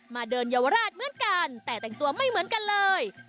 มาเดินเยาวราชเหมือนกันแต่แต่งตัวไม่เหมือนกันเลย